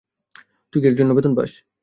তুই কী এর জন্য বেতন পাস?